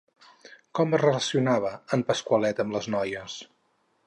Com es relacionava en Pasqualet amb les noies?